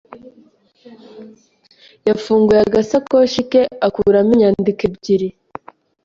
yafunguye agasakoshi ke akuramo inyandiko ebyiri.